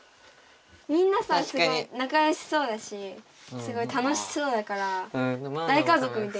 みなさんすごい仲よしそうだしすごい楽しそうだから大家ぞくみたいな。